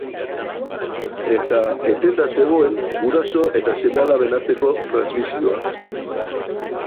Eta etenda zegoen guraso eta seme-alaben arteko transmisioa.